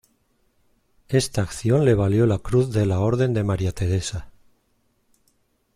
Esta acción le valió la Cruz de la Orden de María Teresa.